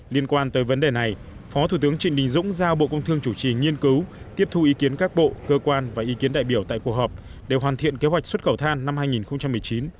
liên quan tới vấn đề này phó thủ tướng trịnh đình dũng giao bộ công thương chủ trì nghiên cứu tiếp thu ý kiến các bộ cơ quan và ý kiến đại biểu tại cuộc họp để hoàn thiện kế hoạch xuất khẩu than năm hai nghìn một mươi chín